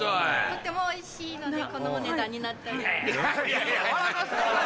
とてもおいしいのでこのお値段になっております。笑